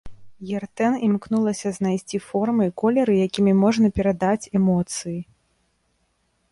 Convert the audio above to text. Ертэн імкнулася знайсці формы і колеры, якімі можна перадаць эмоцыі.